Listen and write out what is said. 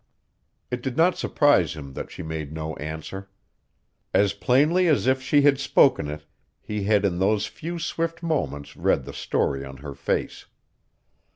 It did not surprise him that she made no answer. As plainly as if she had spoken it he had in those few swift moments read the story in her face.